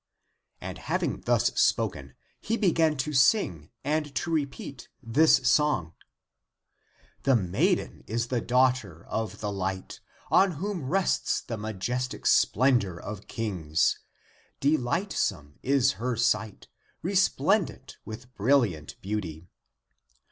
And having thus spoken, he began to sing and to repeat this song: 230 THE APOCRYPHAL ACTS " The maiden is the daughter of the Hght, On whom rests the majestic splendor of Kings; Dehghtsome is her sight, Resplendant with brilHant beauty.